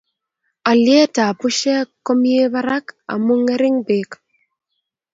Alyet ab pushek ko mie barak amu ngering' peek